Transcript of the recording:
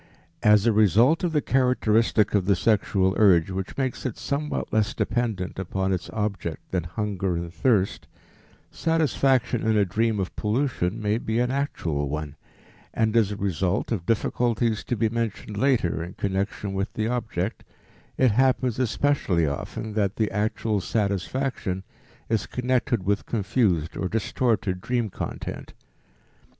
As a result of the characteristic of the sexual urge which makes it somewhat less dependent upon its object than hunger and thirst, satisfaction in a dream of pollution may be an actual one, and as a result of difficulties to be mentioned later in connection with the object, it happens especially often that the actual satisfaction is connected with confused or distorted dream content.